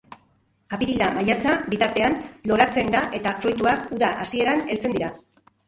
Apirila-maiatza bitartean loratzen da eta fruituak uda hasieran heltzen dira.